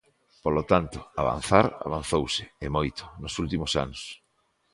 Polo tanto, avanzar avanzouse, e moito, nos últimos anos.